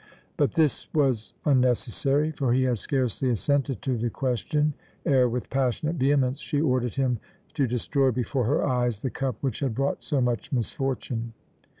But this was unnecessary, for he had scarcely assented to the question ere, with passionate vehemence, she ordered him to destroy before her eyes the cup which had brought so much misfortune.